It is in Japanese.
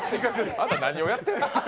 あなた何をやってるの？